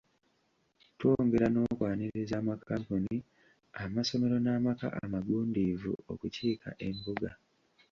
Twongera n’okwaniriza amakampuni, amasomero n’amaka amaggundiivu okukiika embuga.